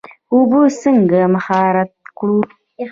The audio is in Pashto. اوبه څنګه مهار کړو؟